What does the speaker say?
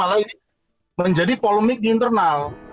jadi kita pusing malah menjadi polemik di internal